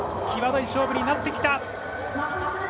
際どい勝負になってきた。